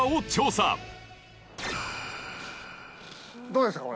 どうですか？